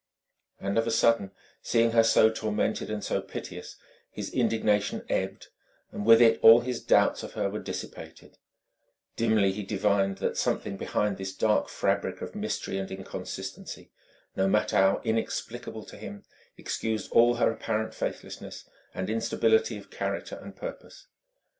And of a sudden, seeing her so tormented and so piteous, his indignation ebbed, and with it all his doubts of her were dissipated; dimly he divined that something behind this dark fabric of mystery and inconsistency, no matter how inexplicable to him, excused all her apparent faithlessness and instability of character and purpose.